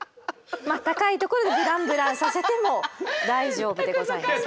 まあ高いところでブランブランさせても大丈夫でございます。